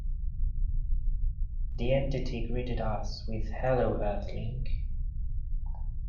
The entity greeted us with "hello earthling".